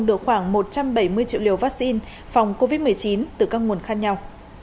được khoảng một trăm bảy mươi triệu liều vaccine phòng covid một mươi chín từ các nguồn khác nhau